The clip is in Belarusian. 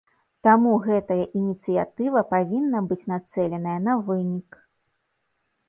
Таму гэтая ініцыятыва павінна быць нацэленая на вынік.